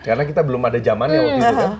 karena kita belum ada jamannya waktu itu